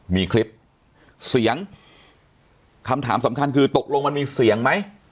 มีคลิปเสียงคำถามสำคัญคือตกลงมันมีเสียงไหม